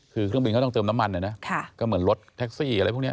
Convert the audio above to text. คือเครื่องบินเขาต้องเติมน้ำมันนะก็เหมือนรถแท็กซี่อะไรพวกนี้